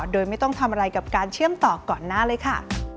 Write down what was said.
โดยไม่ต้องทำอะไรกับการเชื่อมต่อก่อนหน้าเลยค่ะ